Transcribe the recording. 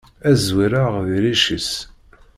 Ad zwireγ di rric-is!